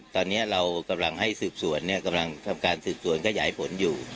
ตอนนี้เรากำลังให้สืบสวนกำลังทำการสืบสวนขยายผลอยู่